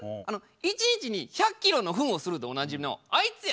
「１日に１００キロのフンをする」でおなじみのあいつやで。